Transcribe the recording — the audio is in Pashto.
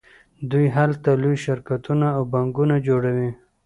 دوی هلته لوی شرکتونه او بانکونه جوړوي